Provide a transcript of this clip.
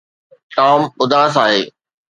Tom اداس آهي.